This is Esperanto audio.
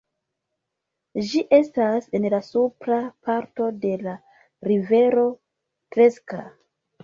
Ĝi estas en la supra parto de la rivero Treska.